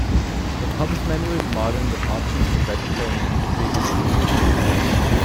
The pub's menu is modern, with options for vegetarian, vegan, and gluten free.